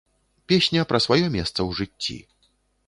Песня пра сваё месца ў жыцці.